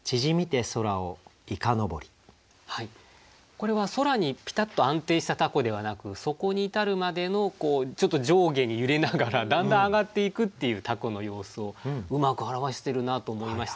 これは空にピタッと安定した凧ではなくそこに至るまでのちょっと上下に揺れながらだんだん揚がっていくっていう凧の様子をうまく表してるなと思いました。